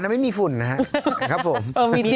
อันนั้นไม่มีฝุ่นนะครับ